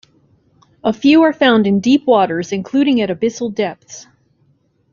A few are found in deep waters including at abyssal depths.